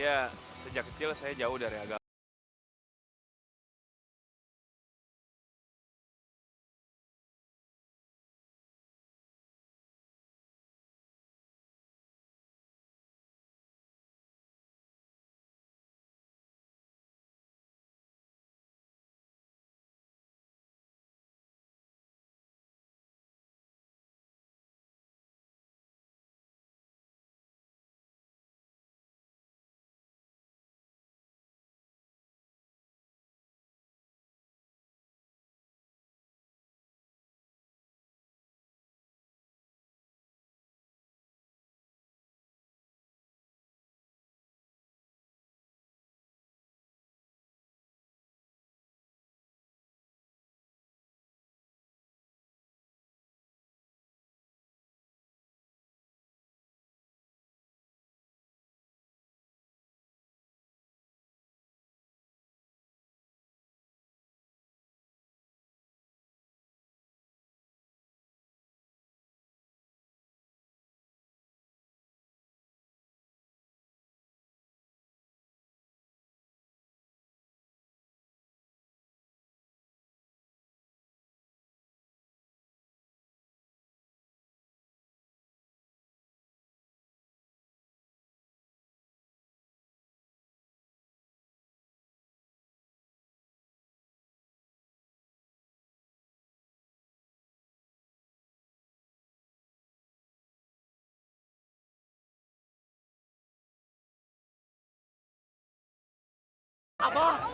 ya sejak kecil saya jauh dari agama